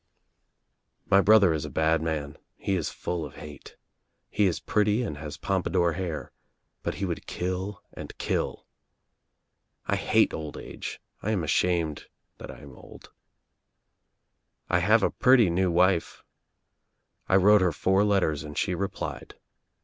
"My brother is a bad man — he is full of hate — he is pretty and has pompadour hair, but he would kill and kill. I hate old age — 1 am ashamed that I am old. "1 have a pretty new wife. I wrote her four letters and she replied.